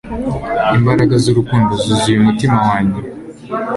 Imbaraga zurukundo zuzuye umutima wanjye